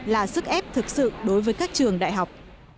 là sức ép thực sự đối với các trường đại học